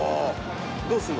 どうすんの？